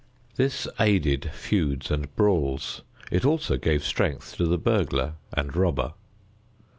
This aided feuds and brawls. It also gave strength to the burglar and robber.